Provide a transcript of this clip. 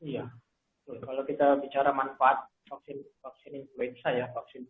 iya kalau kita bicara manfaat vaksin influenza ya